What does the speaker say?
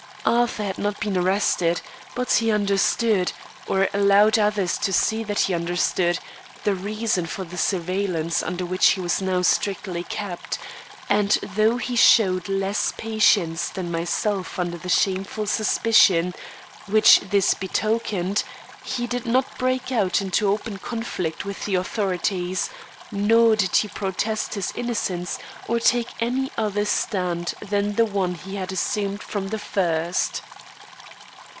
Arthur had not been arrested; but he understood or allowed others to see that he understood, the reason for the surveillance under which he was now strictly kept; and, though he showed less patience than myself under the shameful suspicion which this betokened, he did not break out into open conflict with the authorities, nor did he protest his innocence, or take any other stand than the one he had assumed from the first.